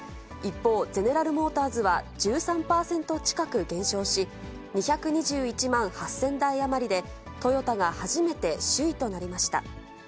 一方、ゼネラル・モーターズは１３％近く減少し、２２１万８０００台余りで、トヨタが初めて首位となりました。